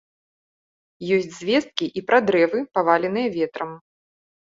Ёсць звесткі і пра дрэвы, паваленыя ветрам.